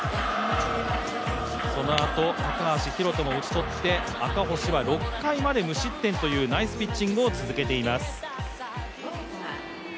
そのあと、高橋宏斗も打ち取って、赤星が６回まで無失点というナイスピッチングを続けています。